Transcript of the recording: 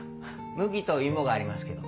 麦と芋がありますけど。